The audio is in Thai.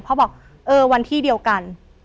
บอกเออวันที่เดียวกัน